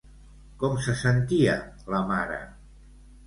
Com se sentia la mare?